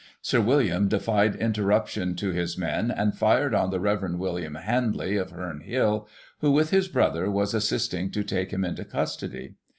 Sir William defied interruption to his men, and fired on the Rev. William Handley, of Heme Hill, who, with his brother, was assisting to take him into custody.